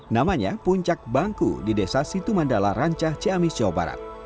namanya puncak bangku di desa situmandala rancah ciamis jawa barat